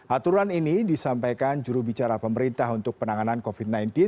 aturan ini disampaikan jurubicara pemerintah untuk penanganan covid sembilan belas